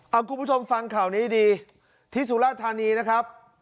เอาคุณผู้ชมฟังข่าวนี้ดีที่สุราธานีนะครับ